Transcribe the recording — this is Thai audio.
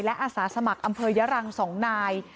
และอาสาสมัครอำเภยรัง๒นาย